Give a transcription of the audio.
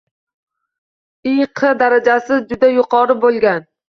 I Q darajasi juda yuqori bo‘lgan